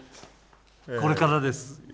これからです。